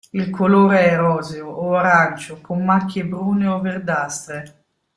Il colore è roseo o arancio con macchie brune o verdastre.